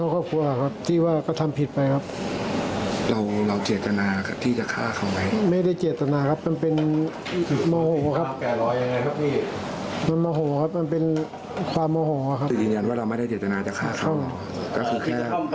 ก็คือแค่ลงช่วงลูก